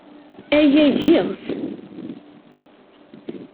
Aya giɣ-t.